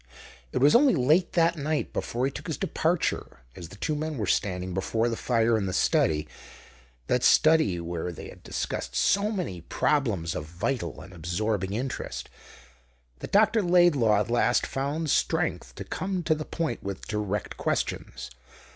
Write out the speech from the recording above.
It was only late that night, before he took his departure, as the two men were standing before the fire in the study that study where they had discussed so many problems of vital and absorbing interest that Dr. Laidlaw at last found strength to come to the point with direct questions.